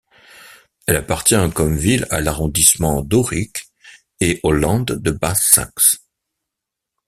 Elle appartient comme ville à l'arrondissement d'Aurich et au Land de Basse-Saxe.